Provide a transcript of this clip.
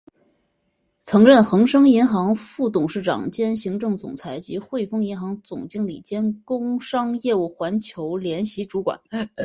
曾任恒生银行副董事长兼行政总裁及汇丰银行总经理兼工商业务环球联席主管。